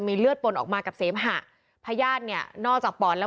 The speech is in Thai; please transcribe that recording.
เลือดปนออกมากับเสมหะพญาติเนี่ยนอกจากปอดแล้ว